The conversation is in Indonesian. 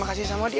makasih sama dia